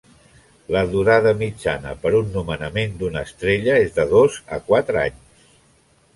La durada mitjana per un nomenament d'una d'estrella és de dos a quatre anys.